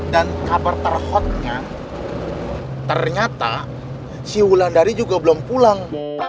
dan kabar terhotnya ternyata si wulandari juga belum pulang